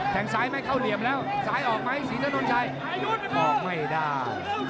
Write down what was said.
แทงซ้ายมั้ยเข้าเหลี่ยมแล้วซ้ายออกมั้ยสีทะนุนไชออกไม่ได้